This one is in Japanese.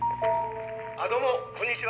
あどうもこんにちは。